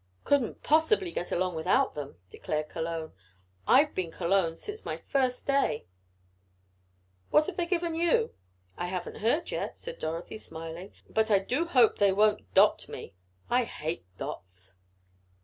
"Couldn't possibly get along without them," declared Cologne. "I've been Cologne since my first day what have they given you?" "I haven't heard yet," said Dorothy, smiling. "But I do hope they won't 'Dot' me. I hate dots."